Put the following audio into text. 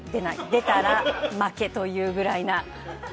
出たら負けというぐらいな。